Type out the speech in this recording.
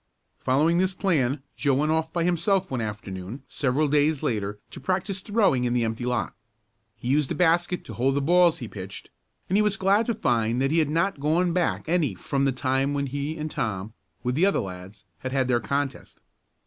Following this plan, Joe went off by himself one afternoon several days later to practice throwing in the empty lot. He used a basket to hold the balls he pitched and he was glad to find that he had not gone back any from the time when he and Tom, with the other lads, had had their contest.